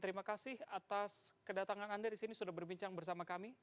terima kasih atas kedatangan anda di sini sudah berbincang bersama kami